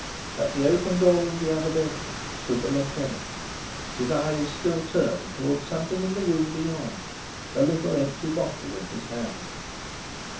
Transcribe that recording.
At the open door of the other bedroom stood the lieutenant, his eyes still turned towards something in the room beyond, a little empty bottle in his hand.